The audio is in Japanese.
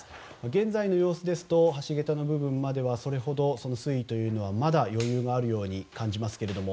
現在の様子ですと橋げたの部分まではそれほど、水位はまだ余裕があるように感じますけれども。